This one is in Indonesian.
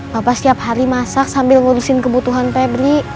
bapak setiap hari masak sambil ngurusin kebutuhan febri